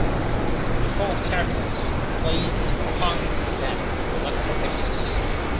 Before Carcass, he played in the punk band Electro Hippies.